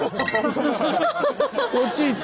そっち行った！